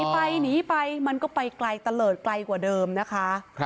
ไปหนีไปมันก็ไปไกลตะเลิศไกลกว่าเดิมนะคะ